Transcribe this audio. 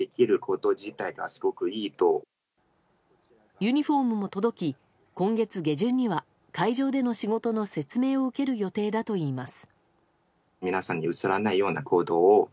ユニホームも届き今月下旬には会場での仕事の説明を受ける予定だといいます。